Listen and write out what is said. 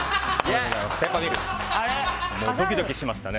ドキドキしましたね。